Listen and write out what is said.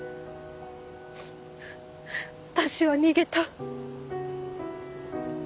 私は逃げた。